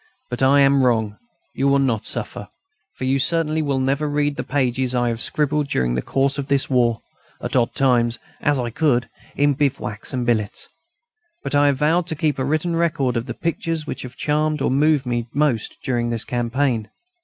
But I am wrong, you will not suffer, for you certainly will never read the pages I have scribbled during the course of this war, at odd times, as I could, in bivouacs and billets. But I have vowed to keep a written record of the pictures which have charmed or moved me most during this campaign.